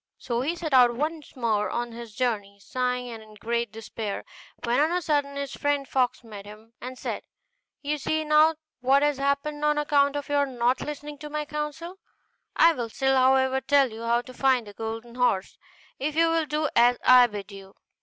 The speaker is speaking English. So he set out once more on his journey, sighing, and in great despair, when on a sudden his friend the fox met him, and said, 'You see now what has happened on account of your not listening to my counsel. I will still, however, tell you how to find the golden horse, if you will do as I bid you.